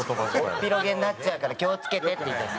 おっぴろげになっちゃうから気を付けてって言ってるの。